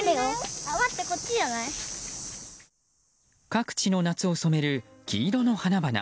各地の夏を染める黄色の花々。